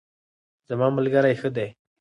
زما ملګرۍ ښه دی